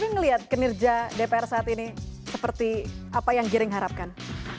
tapi melihat kinerja dpr saat ini seperti apa yang giring harapkan